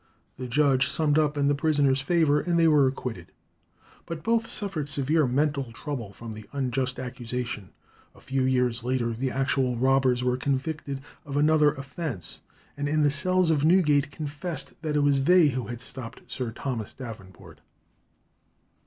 The judge summed up in the prisoners' favour, and they were acquitted. But both suffered severe mental trouble from the unjust accusation. A few years later the actual robbers were convicted of another offence, and in the cells of Newgate confessed that it was they who had stopped Sir Thomas Davenport.